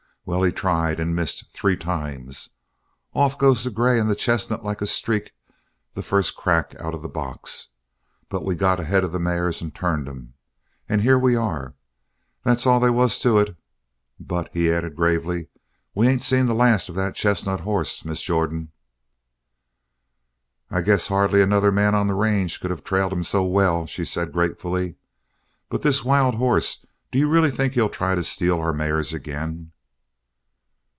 Well, he tried and missed three times. Off goes the grey and the chestnut like a streak the first crack out of the box, but we got ahead of the mares and turned 'em. And here we are. That's all they was to it. But," he added gravely, "we ain't seen the last of that chestnut hoss, Miss Jordan." "I guess hardly another man on the range could have trailed them so well," she said gratefully. "But this wild horse do you really think he'll try to steal our mares again?"